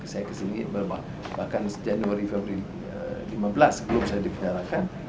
saya kesini bahkan januari februari dua ribu lima belas belum saya dipenjarakan